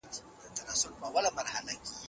د بهرنیو چارو وزارت هوایي حریم نه بندوي.